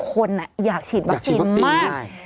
คนอยากฉีดวัคซีนมาก